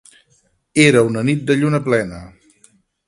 Era una nit de lluna plena.